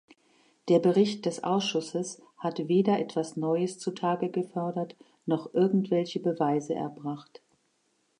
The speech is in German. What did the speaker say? Der Bericht des Ausschusses hat weder etwas Neues zutage gefördert noch irgendwelche Beweise erbracht.